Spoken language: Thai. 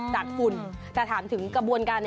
ฝุ่นแต่ถามถึงกระบวนการ